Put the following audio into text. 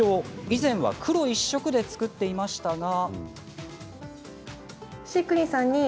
以前は黒１色で作っていましたが。